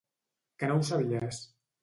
Que no ho sabies?